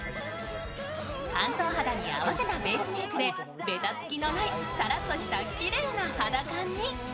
乾燥肌に合わせたベースメイクでべたつきのないサラッとしたきれいな肌感に。